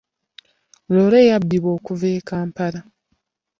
Loole yabbibwa okuva e Kampala.